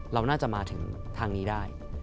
เราน่าจะมาถึงทางนี้ได้